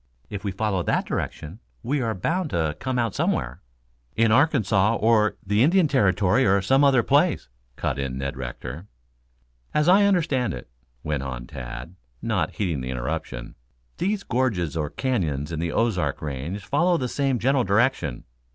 If we follow that direction we are bound to come out somewhere " "In Arkansas or the Indian Territory or some other place," cut in Ned Rector. "As I understand it," went on Tad, not heeding the interruption, "these gorges or canyons in the Ozark range follow the same general direction.